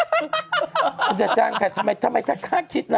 ฉันจะจ้างใครทำไมฉันกล้าคิดนะ